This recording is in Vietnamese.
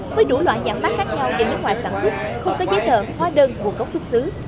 với đủ loại nhãn mát khác nhau do nước ngoài sản xuất không có giấy tờ hóa đơn nguồn gốc xuất xứ